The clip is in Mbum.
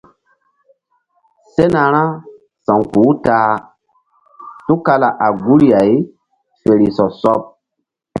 Sena ra sa̧wkpuh u ta a tukala a guri ay fe ri sɔ sɔɓ.